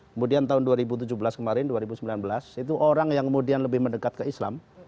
kemudian tahun dua ribu tujuh belas kemarin dua ribu sembilan belas itu orang yang kemudian lebih mendekat ke islam